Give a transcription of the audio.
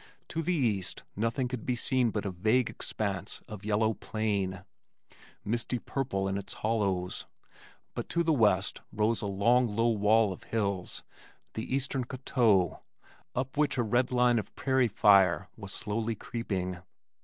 To the east nothing could be seen but a vague expanse of yellow plain, misty purple in its hollows, but to the west rose a long low wall of hills, the Eastern Coteaux, up which a red line of prairie fire was slowly creeping.